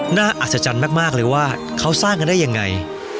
อัศจรรย์มากเลยว่าเขาสร้างกันได้ยังไง